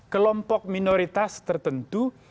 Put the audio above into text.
kelompok minoritas tertentu